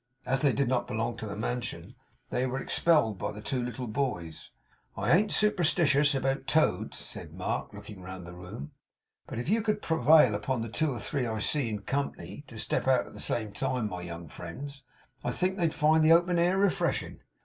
As they did not belong to the mansion, they were expelled by the two little boys. 'I ain't superstitious about toads,' said Mark, looking round the room, 'but if you could prevail upon the two or three I see in company, to step out at the same time, my young friends, I think they'd find the open air refreshing.